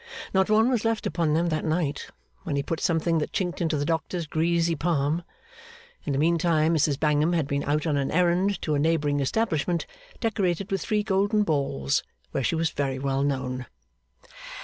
Not one was left upon them that night, when he put something that chinked into the doctor's greasy palm. In the meantime Mrs Bangham had been out on an errand to a neighbouring establishment decorated with three golden balls, where she was very well known.